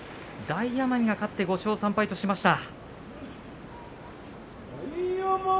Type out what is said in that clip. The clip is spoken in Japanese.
大奄美が勝って５勝３敗としました。